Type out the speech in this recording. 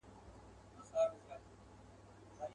څلور پښې يې نوري پور كړې په ځغستا سوه.